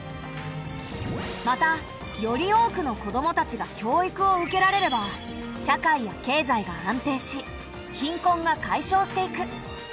またより多くの子どもたちが教育を受けられれば社会や経済が安定し貧困が解消していく。